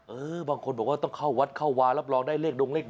เออบางคนบอกว่าต้องเข้าวัดเข้าวารับรองได้เลขดงเลข๑